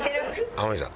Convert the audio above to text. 天海さん